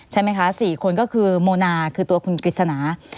ใช่ไหมคะ๔คนก็คือโมนาคือตัวคุณกฤษณา